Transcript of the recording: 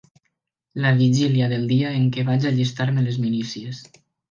La vigília del dia en què vaig allistar-me a les milícies